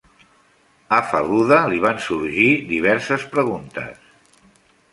A Feluda li van sorgir diverses preguntes.